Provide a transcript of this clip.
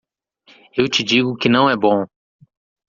Eu te digo que não é bom.